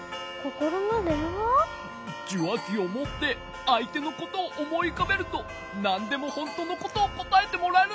じゅわきをもってあいてのことをおもいうかべるとなんでもほんとのことをこたえてもらえるんだ。